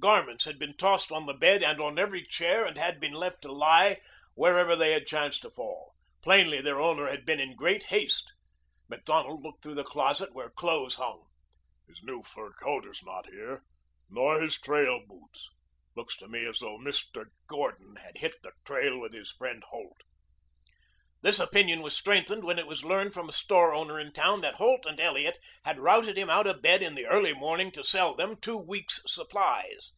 Garments had been tossed on the bed and on every chair and had been left to lie wherever they had chanced to fall. Plainly their owner had been in great haste. Macdonald looked through the closet where clothes hung. "His new fur coat is not here nor his trail boots. Looks to me as though Mr. Gordon had hit the trail with his friend Holt." This opinion was strengthened when it was learned from a store owner in town that Holt and Elliot had routed him out of bed in the early morning to sell them two weeks' supplies.